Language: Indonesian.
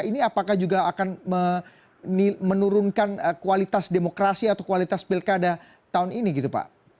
ini apakah juga akan menurunkan kualitas demokrasi atau kualitas pilkada tahun ini gitu pak